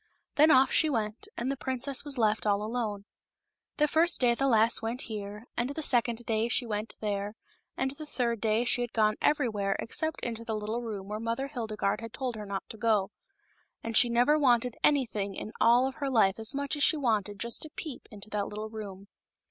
Then off she went, and the princess was left all alone. The first day the lass went here, and the second day she went there, and the third day she had gone everywhere except into the little room where Mother Hildegarde had told her not to go ; and she never wanted anything in all of her life as much as she wanted just to peep into that lit > tie room.